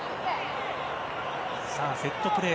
さあ、セットプレー。